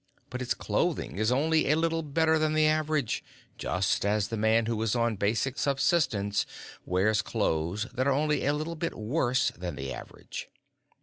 But his clothing is only a little bit better than the average, just as the man who is on basic subsistence wears clothes that are only a little bit worse than the average.